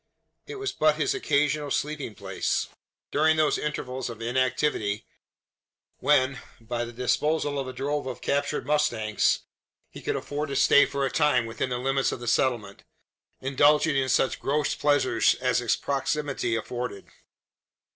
It was but his occasional sleeping place; during those intervals of inactivity when, by the disposal of a drove of captured mustangs, he could afford to stay for a time within the limits of the settlement, indulging in such gross pleasures as its proximity afforded.